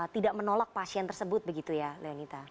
tidak menolak pasien tersebut begitu ya leonita